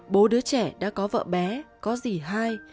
bố đứa trẻ đã có vợ bé có dì hai